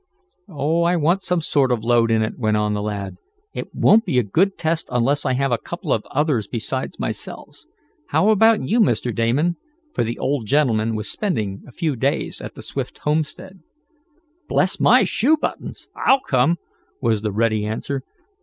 "Oh, I want some sort of a load in it," went on the lad. "It won't be a good test unless I have a couple of others besides myself. How about you, Mr. Damon?" for the old gentleman was spending a few days at the Swift homestead. "Bless my shoe buttons! I'll come!" was the ready answer.